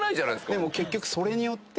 でも結局それによって。